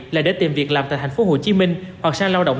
là để tìm việc làm tại tp hcm hoặc sang lao động